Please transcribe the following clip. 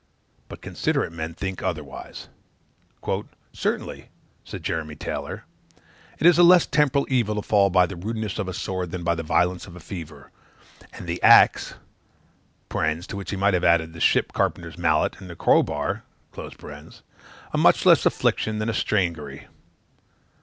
But considerate men think otherwise. "Certainly," says Jeremy Taylor, "it is a less temporal evil to fall by the rudeness of a sword than the violence of a fever: and the axe" (to which he might have added the ship carpenter's mallet and the crow bar) "a much less affliction than a strangury."